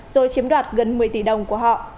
rồi chiếm đoạt gần một mươi tỷ đồng của họ